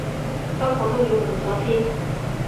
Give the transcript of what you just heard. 不過都要問咗先